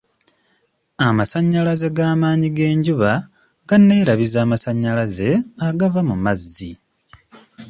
Amasannyalaze g'amaanyi g'enjuba ganeerabiza amasannyalaze agava mu mazzi.